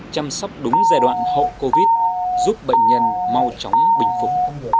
chăm sóc đúng giai đoạn hậu covid giúp bệnh nhân mau chóng bình phục